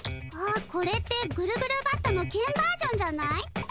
ああこれってグルグルバットのけんバージョンじゃない？